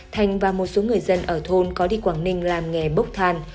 thành và một số người dân ở thôn có đi quảng ninh làm nghề bốc than